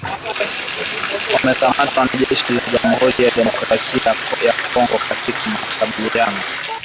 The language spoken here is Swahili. wamekamatwa na jeshi la Jamuhuri ya Demokrasia ya Kongo katika makabiliano